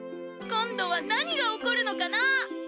今度は何が起こるのかな！